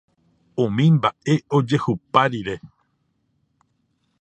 Umi mba'e ojehupa rire